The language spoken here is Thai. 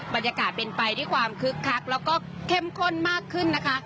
บรรยากาศเป็นไปด้วยความคึกคักแล้วก็เข้มข้นมากขึ้นนะคะ